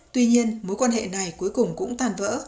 tuy nhiên mối quan hệ này cuối cùng cũng tàn vỡ